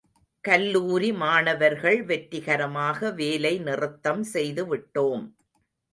கல்லூரி மாணவர்கள் வெற்றிகரமாக வேலை நிறுத்தம் செய்துவிட்டோம்.